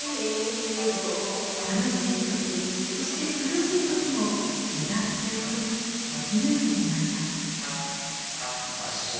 楽しい時そして苦しい時も歌って踊り生き抜いてきました。